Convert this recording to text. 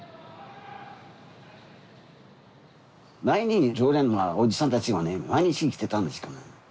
前に常連のおじさんたちがね毎日来てたんですけどね。